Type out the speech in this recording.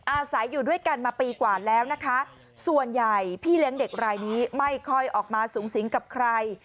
อาศัยอยู่ด้วยกันมาปีกว่าแล้วนะคะส่วนใหญ่พี่เลี้ยงเด็กรายนี้ไม่ค่อยออกมาสูงสิงกับใคร